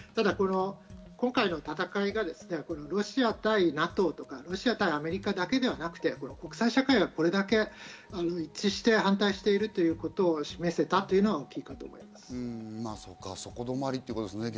ただ今回の戦いがロシア対ＮＡＴＯ、ロシア対アメリカだけではなく、国際社会がこれだけ一致して反対しているということを示せたというのは大きいかと思います。